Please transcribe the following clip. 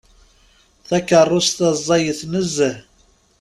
Takeṛṛust-a ẓẓayet nezzeh.